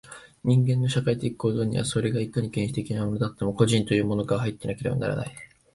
人間の社会的構造には、それがいかに原始的なものであっても、個人というものが入っていなければならない。